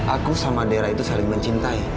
aku sama daerah itu saling mencintai